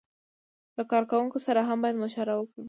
له کارکوونکو سره هم باید مشوره وکړي.